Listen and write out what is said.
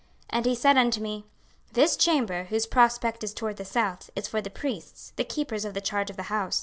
26:040:045 And he said unto me, This chamber, whose prospect is toward the south, is for the priests, the keepers of the charge of the house.